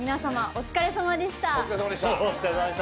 お疲れさまでした。